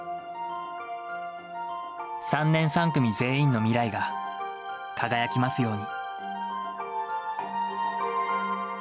３年３組全員の未来が輝きますように。